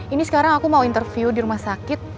ini sekarang aku mau interview di rumah sakit